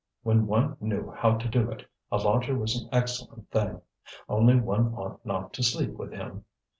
When one knew how to do it, a lodger was an excellent thing. Only one ought not to sleep with him.